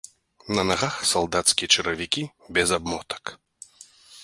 На нагах салдацкія чаравікі без абмотак.